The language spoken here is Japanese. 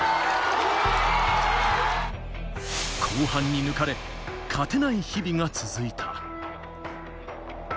後半に抜かれ勝てない日々が続いた。